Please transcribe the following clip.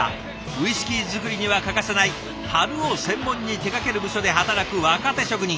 ウイスキーづくりには欠かせない樽を専門に手がける部署で働く若手職人